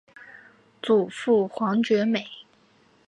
祖父黄厥美。